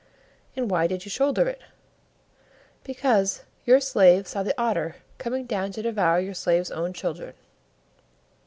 "And why did you shoulder it?" "Because your slave saw the Otter coming down to devour your slave's own children."